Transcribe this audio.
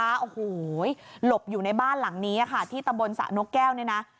โอ้โหหลบอยู่ในบ้านหลังนี้ค่ะที่ตำบลสระนกแก้วเนี่ยนะ